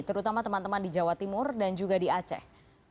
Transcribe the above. terutama teman teman di jawa timur dan juga di aceh